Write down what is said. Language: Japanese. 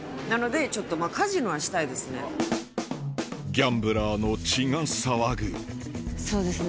ギャンブラーの血が騒ぐそうですね